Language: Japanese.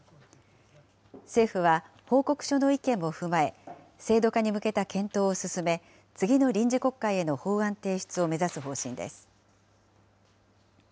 政府は報告書の意見も踏まえ、制度化に向けた検討を進め、次の臨時国会への法案提出を目指す方針です。